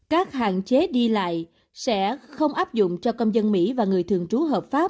các hạn chế đi lại sẽ không áp dụng cho công dân mỹ và người thường trú hợp pháp